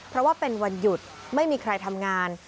เพราะว่าเป็นวันหยุดไม่มีใครทำงาน